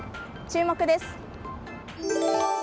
注目です。